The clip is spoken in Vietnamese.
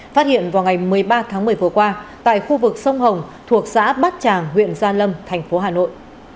phát hiện vào ngày một mươi ba tháng một mươi vừa qua tại khu vực sông hồng thuộc xã bát tràng huyện gia lâm thành phố hà nội